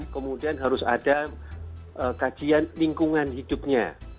kemudian harus ada kajian lingkungan hidupnya